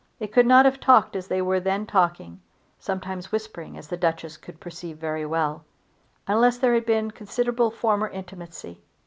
They could not have talked as they were then talking, sometimes whispering as the Duchess could perceive very well, unless there had been considerable former intimacy.